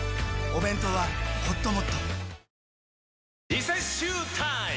リセッシュータイム！